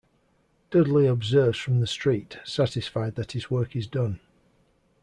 Dudley observes from the street, satisfied that his work is done.